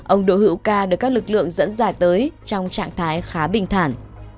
ông đỗ hữu ca được các lực lượng dẫn dài tới trong trạng thái khá bình thản